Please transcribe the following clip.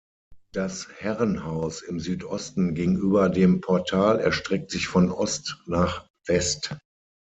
Das Herrenhaus im Südosten gegenüber dem Portal erstreckt sich von Ost nach West.